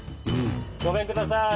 ごめんください。